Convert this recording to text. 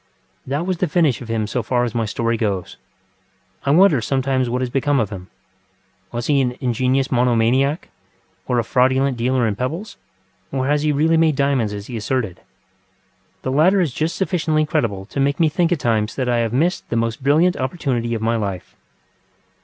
That was the finish of him so far as my story goes. I wonder sometimes what has become of him. Was he an ingenious monomaniac, or a fraudulent dealer in pebbles, or has he really made diamonds as he asserted? The latter is just sufficiently credible to make me think at times that I have missed the most brilliant opportunity of my life.